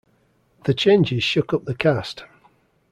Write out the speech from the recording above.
The changes shook up the cast.